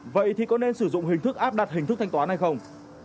vậy thì có nên sử dụng hình thức áp đặt hình thức thanh toán hay không